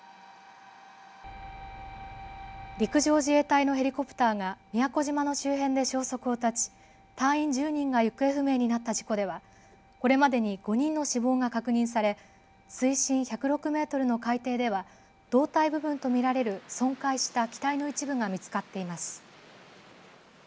陸上自衛隊のヘリコプターが宮古島の周辺で消息を絶ち隊員１０人が行方不明になった事故ではこれまでに５人の死亡が確認され水深１０６メートルの海底では胴体部分と見られる損壊した機体の一部が見つかっています。